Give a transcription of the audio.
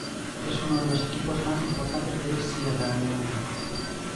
Es uno de los equipos más importantes de Sierra Leona.